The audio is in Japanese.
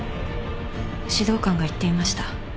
指導官が言っていました。